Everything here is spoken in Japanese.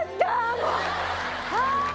もうはあ。